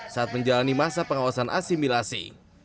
saat menjalani masa pengawasan asimilasi